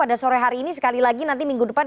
pada sore hari ini sekali lagi nanti minggu depan